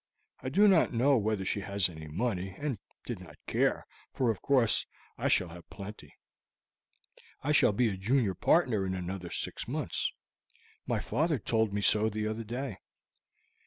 I do not know whether she has any money, and did not care, for of course I shall have plenty. I shall be a junior partner in another six months; my father told me so the other day.